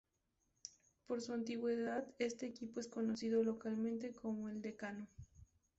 Por su antigüedad, este equipo es conocido localmente como "el Decano".